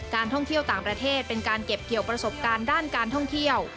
ท่องเที่ยวต่างประเทศเป็นการเก็บเกี่ยวประสบการณ์ด้านการท่องเที่ยว